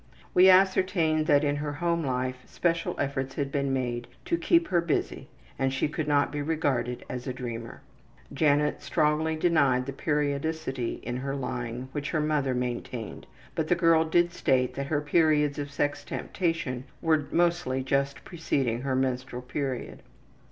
We ascertained that in her home life special efforts had been made to keep her busy and she could not be regarded as a dreamer. Janet strongly denied the periodicity in her lying which her mother maintained, but the girl did state that her periods of sex temptation were mostly just preceding her menstrual period.